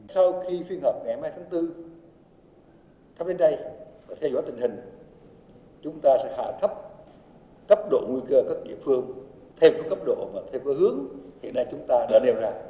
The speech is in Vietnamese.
sau khi phiên họp ngày mai tháng bốn theo bên đây theo dõi tình hình chúng ta sẽ hạ thấp cấp độ nguy cơ các địa phương thêm có cấp độ mà thêm có hướng hiện nay chúng ta đã nêu ra